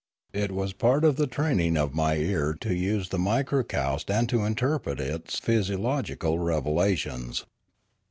It was part of the training of my ear to use the mikrakoust and to interpret its phy siological revelations.